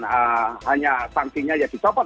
makanya sanksinya ya dicopot